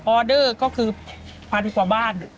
ออเดอร์ก็คือพันธุ์กว่าบ้าน